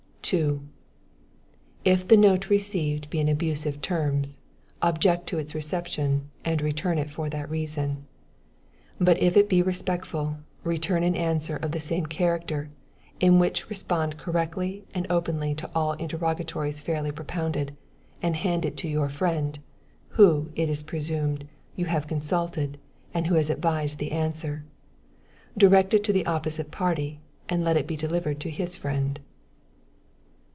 2. If the note received be in abusive terms, object to its reception, and return it for that reason; but if it be respectful, return an answer of the same character, in which respond correctly and openly to all interrogatories fairly propounded, and hand it to your friend, who, it is presumed, you have consulted, and who has advised the answer; direct it to the opposite party, and let it be delivered to his friend.